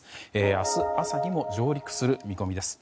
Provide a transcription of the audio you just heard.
明日朝にも上陸する見込みです。